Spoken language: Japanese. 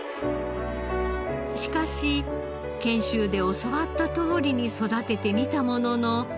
しかし研修で教わったとおりに育ててみたものの。